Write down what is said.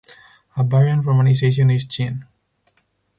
A variant romanization is Chin.